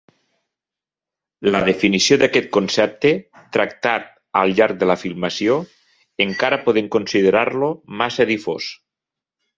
La definició d'aquest concepte, tractat al llarg de la filmació, encara podem considerar-lo massa difós.